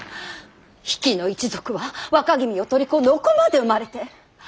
比企の一族は若君を取り込んでお子まで生まれて。